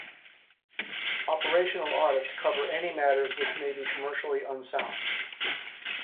Operational audits cover any matters which may be commercially unsound.